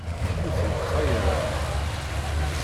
Ur tent-ttxayaleɣ.